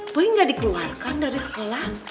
boy nggak dikeluarkan dari sekolah